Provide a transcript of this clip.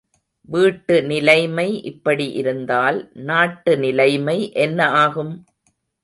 வீட்டு நிலைமை இப்படி இருந்தால், நாட்டுநிலைமை என்ன ஆகும்?